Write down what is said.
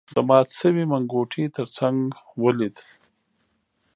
د مات شوی منګوټي تر څنګ ولید.